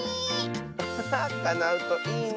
アハハかなうといいね。